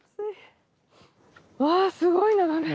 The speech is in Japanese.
わあすごい眺め。